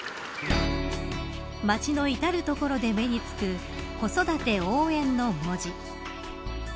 街の至る所で目につく子育て応援の文字。